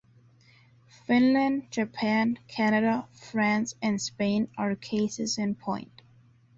Finland, Japan, Canada, France and Spain are cases in point.